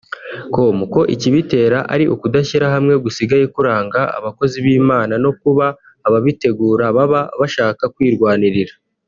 com ko ikibitera ari ukudashyira hamwe gusigaye kuranga abakozi b’Imana no kuba ababitegura baba bashaka kwirwanirira